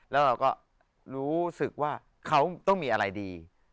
แล้วเราก็รู้สึกว่าเขาต้องมีอะไรดี